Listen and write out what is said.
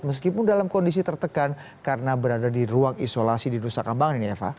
meskipun dalam kondisi tertekan karena berada di ruang isolasi di nusa kambangan ini eva